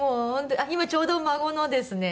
あっ今ちょうど孫のですね